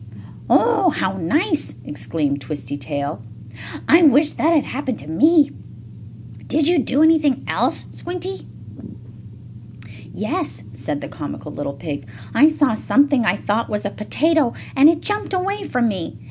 "Oh, how nice!" exclaimed Twisty Tail. "I wish that had happened to me. Did you do anything else, Squinty?" "Yes," said the comical little pig. "I saw something I thought was a potato, and it jumped away from me.